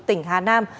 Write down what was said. tỉnh hà nam